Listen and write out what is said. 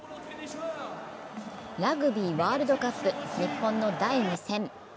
ラグビーワールドカップ、日本の第２戦。